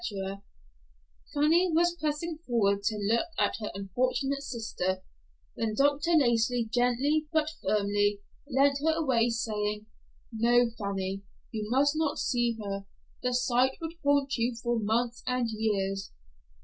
Fanny was pressing forward to look at her unfortunate sister, when Dr. Lacey, gently but firmly, led her away, saying, "No, Fanny, you must not see her. The sight would haunt you for months and years."